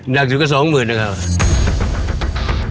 หนักสุดก็สองหมื่นนะครับ